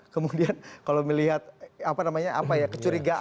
kemudian kalau melihat apa namanya apa ya